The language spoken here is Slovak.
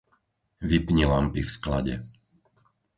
Vypni lampy v sklade.